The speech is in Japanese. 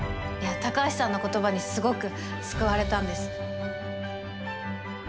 いや高橋さんの言葉にすごく救われたんです。